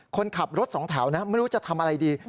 คนขับรถสองแถวนะไม่รู้จะทำอะไรดี